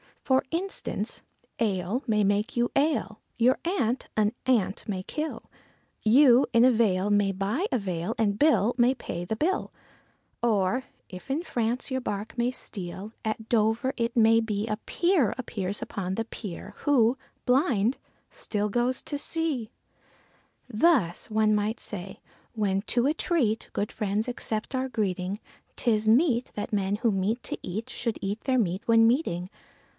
For instance, ale may make you ail, your aunt an ant may kill, You in a vale may buy a veil and Bill may pay the bill. Or, if to France your bark may steer, at Dover it may be, A peer appears upon the pier, who, blind, still goes to sea. Thus, one might say, when to a treat good friends accept our greeting, 'Tis meet that men who meet to eat should eat their meat when meeting.